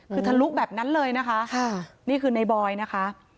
คือทะลุแบบนั้นเลยนะคะนี่คือในบอยนะคะ